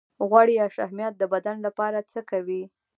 غوړ یا شحمیات د بدن لپاره څه کوي